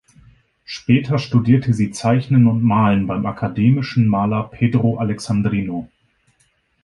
Später studierte sie Zeichnen und Malen beim akademischen Maler Pedro Alexandrino.